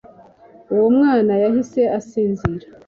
uwo mwana yahise asinzira